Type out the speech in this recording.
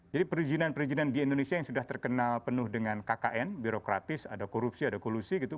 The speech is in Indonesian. jadi perizinan perizinan di indonesia yang sudah terkenal penuh dengan kkn birokratis ada korupsi ada kolusi gitu